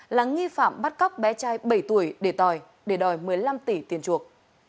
là nghi phạm bắt cóc bé trai bảy tuổi để tòi để đòi một mươi năm tỷ tiền chuộc